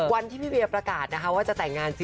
วันที่พี่เวียประกาศนะคะว่าจะแต่งงานจริง